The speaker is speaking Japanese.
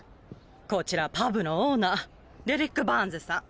こちらパブのオーナーデリック・バーンズさん。